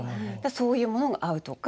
そういうものが合うとか。